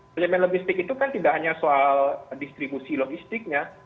manajemen logistik itu kan tidak hanya soal distribusi logistiknya